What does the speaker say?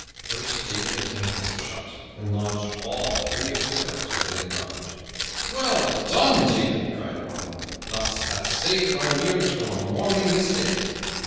First David of Doncaster shot, and lodged all three of his arrows within the garland. "Well done, David!" cried Robin, "thou hast saved thine ears from a warming this day."